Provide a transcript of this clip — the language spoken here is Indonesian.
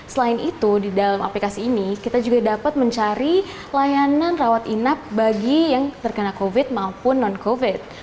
selain itu di dalam aplikasi ini kita juga dapat mencari layanan rawat inap bagi yang terkena covid maupun non covid